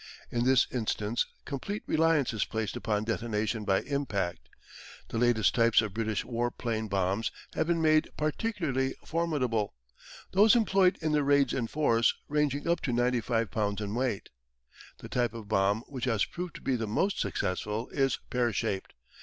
In this instance complete reliance is placed upon detonation by impact. The latest types of British war plane bombs have been made particularly formidable, those employed in the "raids in force" ranging up to 95 pounds in weight. The type of bomb which has proved to be the most successful is pear shaped.